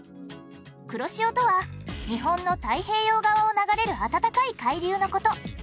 黒潮とは日本の太平洋側を流れる暖かい海流の事。